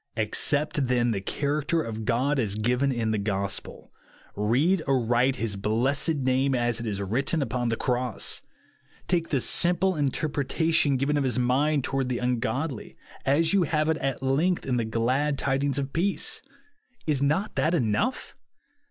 Accept, then, the character of God as given in the gospel ; read aright his blessed name as it is written upon the cross ; take the simple interpretation given of his mind toward the ungodly, as you have it at length in the glad tidings of peace. Is not that enough